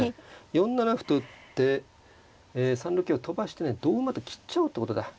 ４七歩と打って３六桂を跳ばしてね同馬と切っちゃうってことだ。